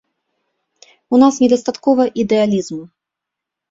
У нас недастаткова ідэалізму.